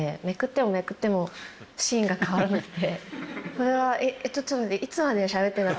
これはえっちょっと待って。